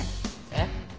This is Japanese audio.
えっ？